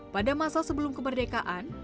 pada masa sebelum kemerdekaan